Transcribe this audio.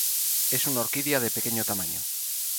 Es una orquídea de pequeño tamaño.